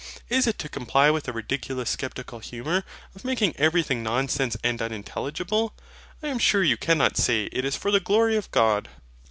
Is it to comply with a ridiculous sceptical humour of making everything nonsense and unintelligible? I am sure you cannot say it is for the glory of God.